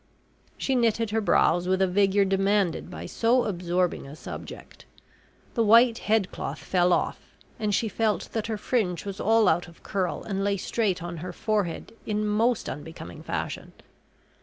She knitted her brows with a vigour demanded by so absorbing a subject: the white head cloth fell off, and she felt that her fringe was all out of curl and lay straight on her forehead in most unbecoming fashion.